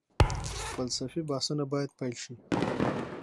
فلسفي بحثونه باید پيل شي.